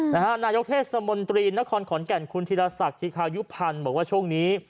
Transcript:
นายกเทศมนตรีนครขอนแก่นคุณธีรศักดิ์ธิคายุพันธ์บอกว่าช่วงนี้